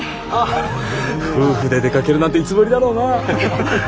夫婦で出かけるなんていつぶりだろうな。